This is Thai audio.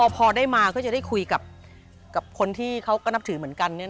พอได้มาก็จะได้คุยกับคนที่เขาก็นับถือเหมือนกัน